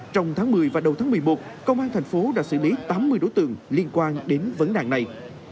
trong tháng một mươi và đầu tháng một mươi một công an thành phố đã xử lý tám mươi đối tượng liên quan đến vấn nạn này